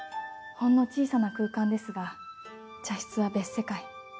ほんの小さな空間ですが茶室は別世界。